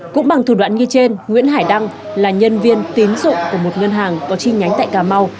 cũng bằng thủ đoạn như trên nguyễn hải đăng là nhân viên tín dụng của một ngân hàng có chi nhánh tại cà mau